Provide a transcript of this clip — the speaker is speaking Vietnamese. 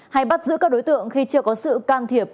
hay bắt giữ các đối tượng khi chưa có sự can thiệp